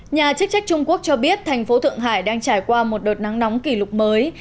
nhà chức trách trung quốc cho biết thành phố thượng hải đang trải qua một đợt nắng nóng kỷ lục mới